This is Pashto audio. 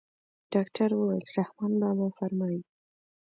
ډاکتر وويل رحمان بابا فرمايي.